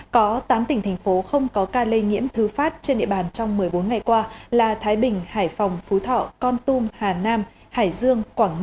có tám tỉnh thành phố không có ca lây nhiễm thứ phát trên địa bàn trong một mươi bốn ngày qua là thái bình hải phòng phú thỏ